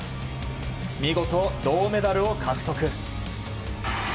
見事、銅メダルを獲得。